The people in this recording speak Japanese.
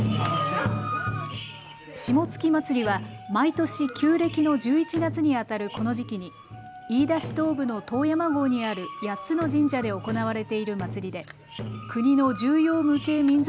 霜月祭りは毎年、旧暦の１１月にあたるこの時期に飯田市東部の遠山郷にある８つの神社で行われている祭りで国の重要無形民俗